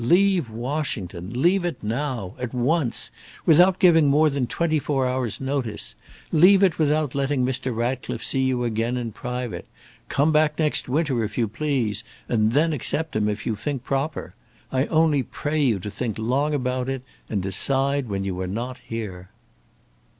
Leave Washington! Leave it now! at once! without giving more than twenty four hours' notice! Leave it without letting Mr. Ratcliffe see you again in private! Come back next winter if you please, and then accept him if you think proper. I only pray you to think long about it and decide when you are not here."